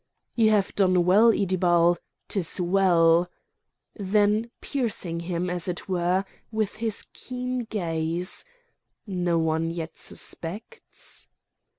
"You have done well, Iddibal! 'Tis well!" Then piercing him, as it were, with his keen gaze: "No one yet suspects?"